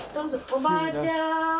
おばあちゃん。